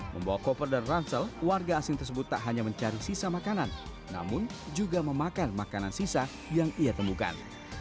membawa koper dan ransel warga asing tersebut tak hanya mencari sisa makanan namun juga memakan makanan sisa yang ia temukan